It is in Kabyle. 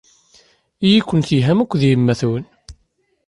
Ili-ken telham akked yemma-twen.